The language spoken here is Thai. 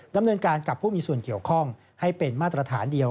ดำเนินการกับผู้มีส่วนเกี่ยวข้องให้เป็นมาตรฐานเดียว